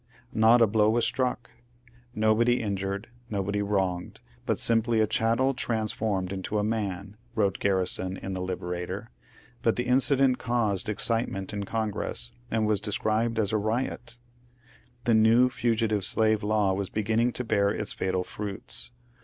Not a blow was struck. ^^ Nobody injured, nobody wronged, but simply a chattel transformed into a man," wrote Garrison in the ^^ Liberator," but the incident caused excitement in Con gress and was described as a ^^ riot." The new Fugitive Slave Law was beginning to bear its fatal fruits.